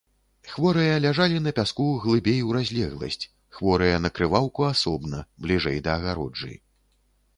Хворыя ляжалі на пяску глыбей у разлегласць, хворыя на крываўку асобна, бліжэй да агароджы.